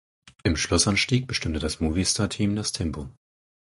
Im Schlussanstieg bestimmte das Movistar Team das Tempo.